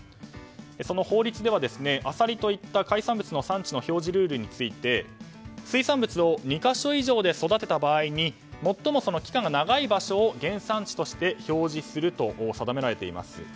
法律では、アサリといった海産物の表示ルールについて水産物を２か所以上で育てた場合に最も期間が長い場所を原産地として表示すると定められています。